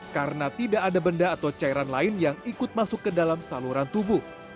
karena tidak ada benda atau cairan lain yang ikut masuk ke dalam saluran tubuh